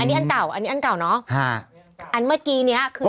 อันนี้อันเก่าอันนี้อันเก่าเนอะฮะอันเมื่อกี้เนี้ยคือ